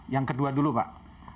yang kedua dulu pak